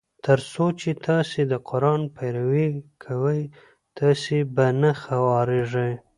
تر څو چي تاسي د قرآن پیروي کوی تاسي به نه خوارېږی.